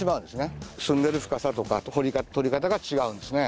すんでる深さとか採り方が違うんですね。